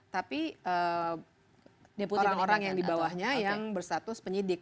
tapi orang orang yang di bawahnya yang bersatus penyidik